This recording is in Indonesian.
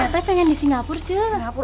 saya pengen di singapura cuy